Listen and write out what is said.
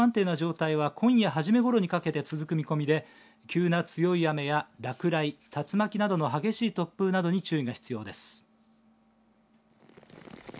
大気が非常に不安定な状態が今夜、初めごろにかけて続く見込みで急な強い雨や落雷突風などの激しい突風に注意が必要です。